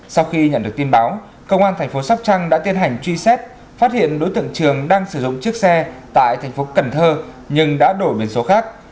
sau khi nhận được tin báo công an thành phố sóc trăng đã tiến hành truy xét phát hiện đối tượng trường đang sử dụng chiếc xe tại thành phố cần thơ nhưng đã đổi biển số khác